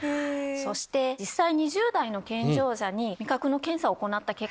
そして２０代の健常者に味覚の検査を行った結果。